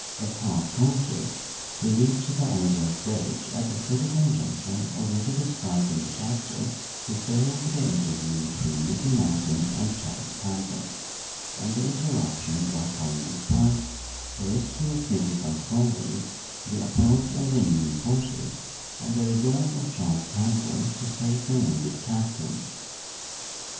But half conscious, he reached the Ozark bridge at the critical juncture already described in the chapter referring to the interview between Nettie Morton and Charles Campbell, and the interruption by Colonel Price, the rescue of Nettie by Fall leaf, the approach of the Union forces, and the resolve of Charles Campbell to save the wounded captain.